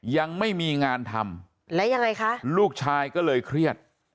ยังไม่มีงานทำและยังไงคะลูกชายก็เลยเครียด